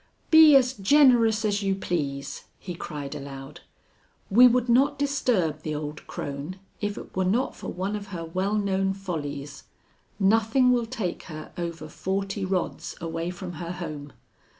"Be as generous as you please!" he cried aloud. "We would not disturb the old crone if it were not for one of her well known follies. Nothing will take her over forty rods away from her home.